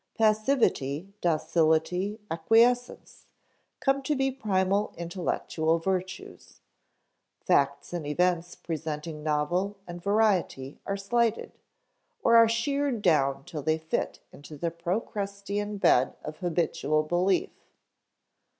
Passivity, docility, acquiescence, come to be primal intellectual virtues. Facts and events presenting novelty and variety are slighted, or are sheared down till they fit into the Procrustean bed of habitual belief.